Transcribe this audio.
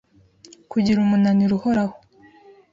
kugira umunaniro uhoraho